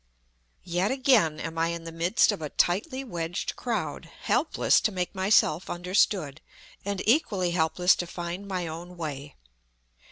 Yet again am I in the midst of a tightly wedged crowd, helpless to make myself understood, and equally helpless to find my own way.